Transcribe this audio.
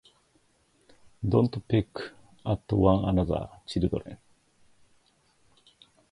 Don't peck at one another, children.